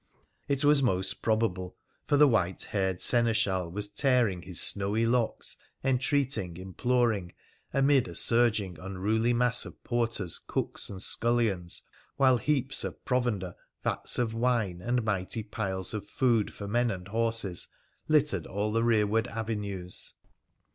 It was most probable, for the white haired seneschal was tearing his snowy locks, entreating, imploring, amid a surging, unruly mass of porters, cooks, and scullions, while heaps of provender, vats of wine, and mighty piles of food for men and horses, littered all the rearward avenues.